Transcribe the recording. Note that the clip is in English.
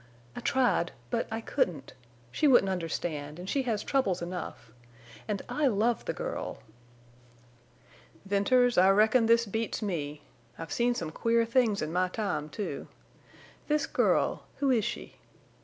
"I tried. But I couldn't. She wouldn't understand, and she has troubles enough. And I love the girl!" "Venters, I reckon this beats me. I've seen some queer things in my time, too. This girl—who is she?"